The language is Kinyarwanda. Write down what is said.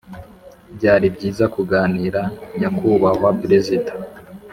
byari byiza kuganira nyakubahwa perezida